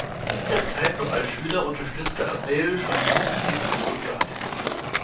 In dieser Zeit, noch als Schüler, unterstützte Abeille schon die Hofmusik zu Stuttgart.